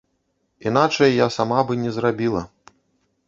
Іначай я сама бы не зрабіла.